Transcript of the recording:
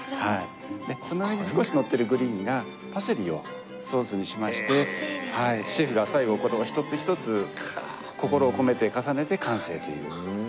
この上に少しのってるグリーンがパセリをソースにしましてシェフが最後これを一つ一つ心を込めて重ねて完成という。